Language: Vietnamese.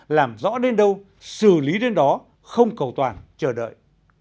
làm rõ đến đâu xử lý đến đó không cầu toàn chờ đợi